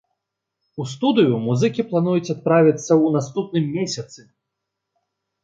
У студыю музыкі плануюць адправіцца ў наступным месяцы.